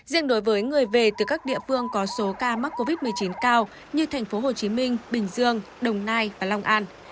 riêng đối với người về từ các địa phương có số ca mắc covid một mươi chín cao như thành phố hồ chí minh bình dương đồng nai và long an